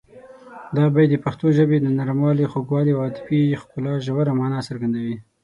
دا بیت د پښتو ژبې د نرموالي، خوږوالي او عاطفي ښکلا ژوره مانا څرګندوي.